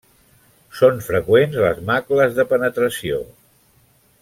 Són freqüents les macles de penetració.